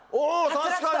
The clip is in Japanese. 確かに！